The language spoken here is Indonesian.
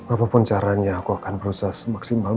apapun caranya aku akan berusaha semaksimal